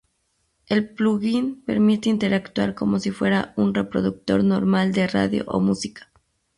El plugin permite interactuar como si fuera un reproductor normal de radio o música.